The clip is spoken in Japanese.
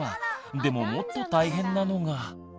でももっと大変なのが。